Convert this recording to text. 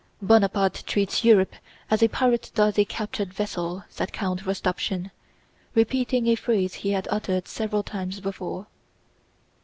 "Bonaparte treats Europe as a pirate does a captured vessel," said Count Rostopchín, repeating a phrase he had uttered several times before.